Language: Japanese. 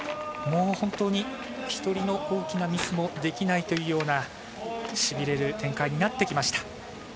本当に１人も大きなミスができないというようなしびれる展開になってきました。